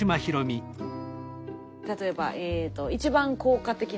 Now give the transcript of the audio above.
例えば「一番効果的な『反復』」。